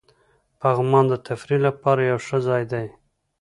پغمان د تفریح لپاره یو ښه ځای دی.